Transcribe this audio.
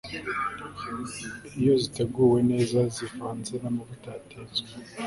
iyo ziteguwe neza zivanze namavuta yatetswe